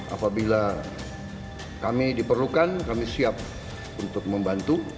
apabila kami diperlu kami siap membantu